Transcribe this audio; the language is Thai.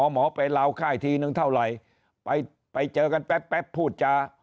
หมอไปลาวค่ายทีนึงเท่าไหร่ไปเจอกันแป๊บพูดจา